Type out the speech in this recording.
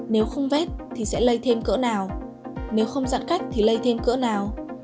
nếu không vét thì sẽ lây thêm cỡ nào nếu không dặn cách thì lây thêm cỡ nào